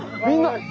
みんな。